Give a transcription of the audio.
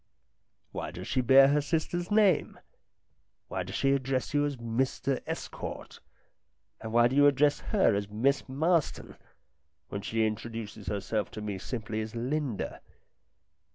"Why does she bear her sister's name? Why does she address you as ' Mr Estcourt '? And why do you address her as * Miss Marston,' when she introduces herself to me simply as 'Linda'?"